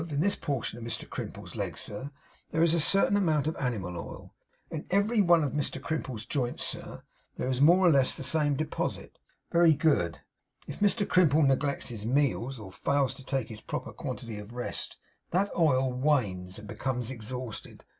In this portion of Mr Crimple's leg, sir, there is a certain amount of animal oil. In every one of Mr Crimple's joints, sir, there is more or less of the same deposit. Very good. If Mr Crimple neglects his meals, or fails to take his proper quantity of rest, that oil wanes, and becomes exhausted.